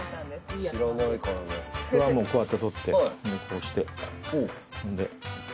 これはもうこうやって取ってこうして。